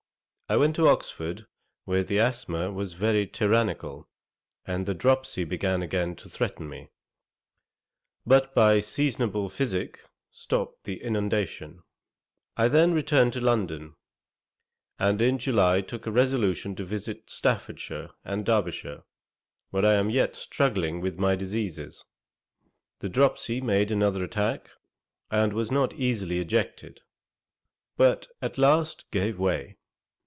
I went to Oxford, where the asthma was very tyrannical, and the dropsy began again to threaten me; but seasonable physick stopped the inundation: I then returned to London, and in July took a resolution to visit Staffordshire and Derbyshire, where I am yet struggling with my diseases. The dropsy made another attack, and was not easily ejected, but at last gave way.